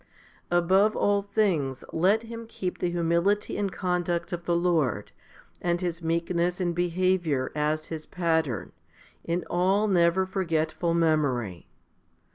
5 Above all things let him keep the humility and conduct of the Lord, and His meekness and behaviour, as his pattern, in all never forgetful memory.